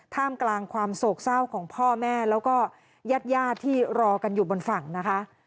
ท่ามกลางความโศกเศร้าของพ่อแม่และแยดที่รอกันอยู่บนฝั่งนะคะ